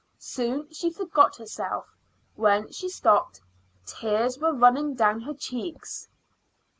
Soon she forgot herself. When she stopped, tears were running down her cheeks.